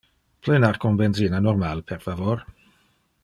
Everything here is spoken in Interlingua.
Plenar con benzina normal, per favor.